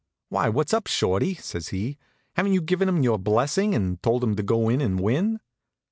"Why, what's up, Shorty?" says he. "Haven't you given him your blessing, and told him to go in and win?"